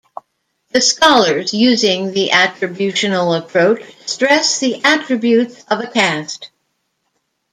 The scholars using the attributional approach stress the attributes of a caste.